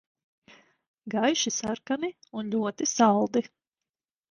Gaiši sarkani un ļoti saldi.